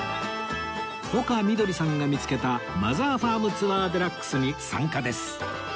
丘みどりさんが見つけたマザーファームツアー ＤＸ に参加です